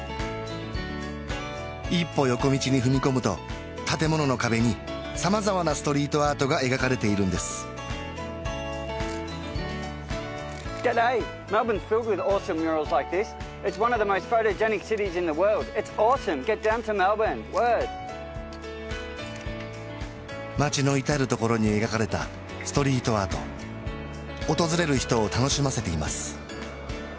一歩横道に踏み込むと建物の壁に様々なストリートアートが描かれているんです街の至る所に描かれたストリートアート訪れる人を楽しませています